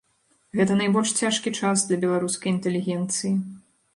Гэта найбольш цяжкі час для беларускай інтэлігенцыі.